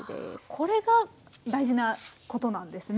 これが大事なことなんですね。